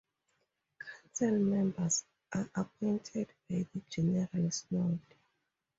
Council members are appointed by the General Synod.